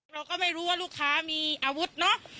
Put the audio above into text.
เราก็ไม่รู้ว่าลูกค้ามีอาวุธเนอะ